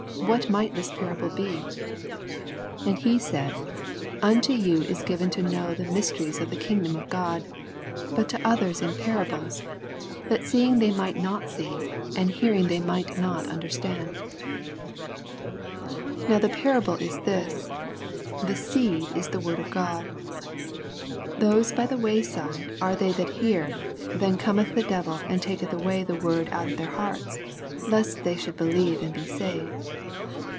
What might this parable be ? 10 And he said, Unto vou it is given to know the mysteries of the kingdom of God : but to others in parables ; that seeing they might not see, and hearing they might not understand. 11 Now the parable is this : The seed is the word of God. 12 Those by the way side are they that hear ; then oometh the devil, and taketh away the word out of their hearts, lest they should believe and be saved.